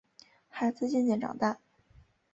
孩子渐渐长大